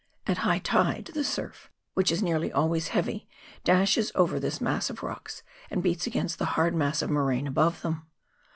At high tide the surf, which is nearly always heavy, dashes over this mass of rocks, and beats against the hard mass of moraine above them.